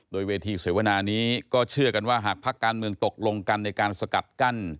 โดยเวทีเสวนานี้ก็เชื่อกันว่าหากพักการเมืองตกลงกันในการสกัดกั้น